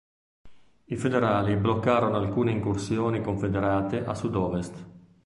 I Federali bloccarono altre incursioni confederate a sudovest.